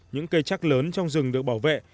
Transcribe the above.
những cây chắc lớn trong rừng được bảo vệ